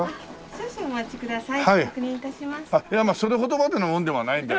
少々お待ちください。